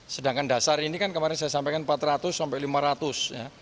sedangkan dasar ini kan kemarin saya sampaikan empat ratus sampai lima ratus